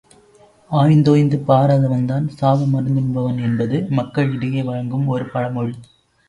ஆய்ந்தோய்ந்து பாராதவன்தான் சாவ மருந்துண்பவன் என்பது மக்களிடையே வழங்கும் ஒரு பழமொழி.